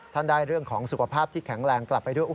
ท่านได้เรื่องของสุขภาพที่แข็งแรงกลับไปด้วย